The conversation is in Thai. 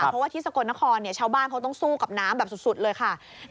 เพราะว่าที่สกลนครชาวบ้านเขาต้องสู้กับน้ำแบบสุดเลยค่ะ